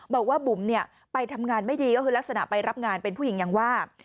บอกว่าบุ๋มไปทำงานไม่ดีก็คือลักษณะไปรับงานเป็นผู้หญิงอย่างว่า